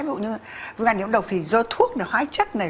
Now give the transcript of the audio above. ví dụ như viêm gan nhiễm độc thì do thuốc này hóa chất này